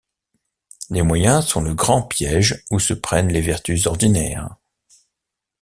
Les moyens sont le grand piége où se prennent les vertus ordinaires...